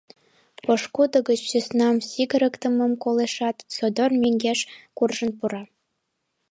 Пошкудо гыч сӧснам сигырыктымым колешат, содор мӧҥгеш куржын пура.